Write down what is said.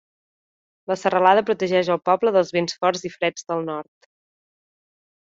La serralada protegeix al poble dels vents forts i freds del nord.